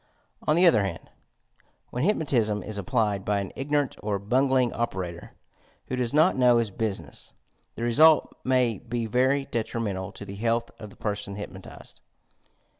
On the other hand, when hyp notism ia applied by an ignorant or bungling operator, who does not know his business, the result may be very detrimental to the health of the person hypnotized.